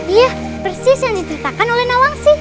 iya persis yang diceritakan oleh nawang sih